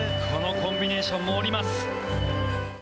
このコンビネーションも降ります。